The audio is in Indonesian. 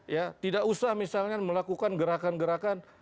ya tidak usah misalnya melakukan gerakan gerakan